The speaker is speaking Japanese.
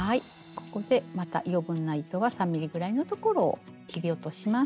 ここでまた余分な糸は３ｍｍぐらいのところを切り落とします。